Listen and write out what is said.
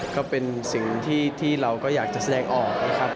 ก็เป็นสิ่งที่เราก็อยากจะแสดงออกนะครับ